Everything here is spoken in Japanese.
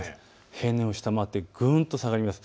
平年を下回ってぐんと下がります。